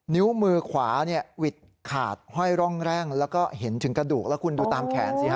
นิ้วมือขวาวิดขาดห้อยร่องแร่งแล้วก็เห็นถึงกระดูกแล้วคุณดูตามแขนสิฮะ